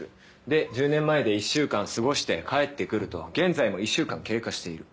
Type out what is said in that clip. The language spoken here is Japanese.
で１０年前で１週間過ごして帰ってくると現在も１週間経過している。